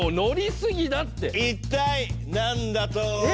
一体何だと思う？え？